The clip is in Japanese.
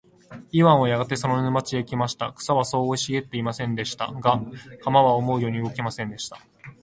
イワンはやがてその沼地へ来ました。草はそう茂ってはいませんでした。が、鎌は思うように動きませんでした。